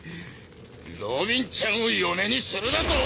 ロビンちゃんを嫁にするだとォ！